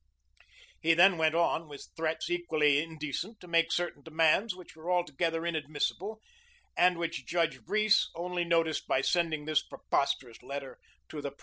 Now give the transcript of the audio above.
He then went on, with threats equally indecent, to make certain demands which were altogether inadmissible, and which Judge Breese only noticed by sending this preposterous letter to the press.